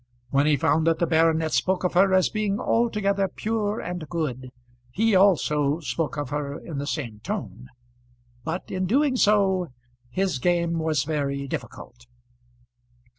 When he found that the baronet spoke of her as being altogether pure and good, he also spoke of her in the same tone; but in doing so his game was very difficult.